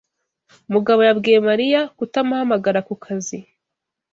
Mugabo yabwiye Mariya kutamuhamagara ku kazi.